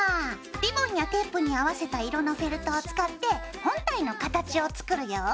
リボンやテープに合わせた色のフェルトを使って本体の形を作るよ。